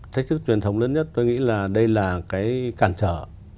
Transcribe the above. thách thức truyền thống lớn nhất tôi nghĩ là đây là cái cản trở